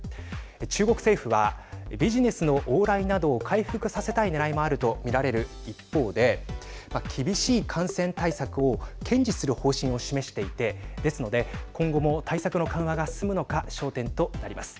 中国政府はビジネスの往来などを回復させたいねらいもあると見られる一方で厳しい感染対策を堅持する方針を示していてですので、今後も対策の緩和が進むのか焦点となります。